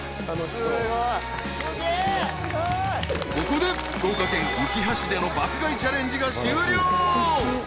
［ここで福岡県うきは市での爆買いチャレンジが終了］